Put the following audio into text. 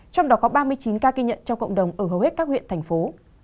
trong đó có ba mươi chín ca ghi nhận trong cộng đồng ở hầu hết các huyện thành phố